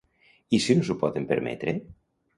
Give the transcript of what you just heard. I si no s'ho poden permetre?